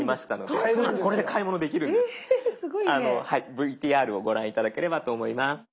ＶＴＲをご覧頂ければと思います。